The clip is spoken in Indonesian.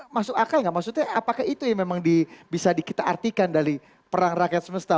masuk akal nggak maksudnya apakah itu yang memang bisa kita artikan dari perang rakyat semesta